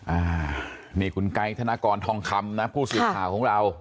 อ่านี่คุณไกรทนากรทองคำนะผู้สิทธิ์ข่าวของเรา